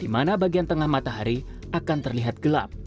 di mana bagian tengah matahari akan terlihat gelap